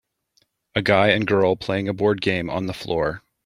A guy and girl playing a board game on the floor.